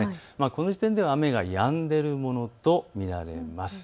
この時点では雨がやんでいるものと見られます。